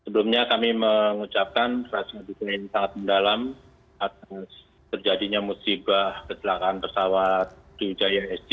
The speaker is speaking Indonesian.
sebelumnya kami mengucapkan rasa dukungan ini sangat mendalam atas terjadinya musibah kesalahan pesawat sriwijaya air sj satu ratus delapan puluh dua